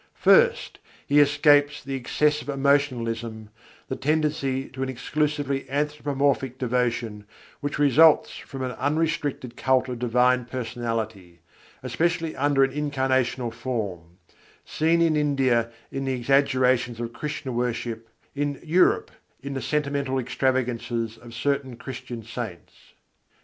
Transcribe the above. First, he escapes the excessive emotionalism, the tendency to an exclusively anthropomorphic devotion, which results from an unrestricted cult of Divine Personality, especially under an incarnational form; seen in India in the exaggerations of Krishna worship, in Europe in the sentimental extravagances of certain Christian saints.